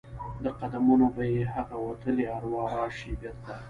د قدمونو به یې هغه وتلي اروا راشي بیرته؟